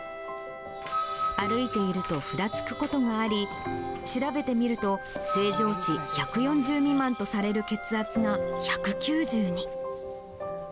歩いているとふらつくことがあり、調べてみると、正常値１４０未満とされる血圧が１９０に。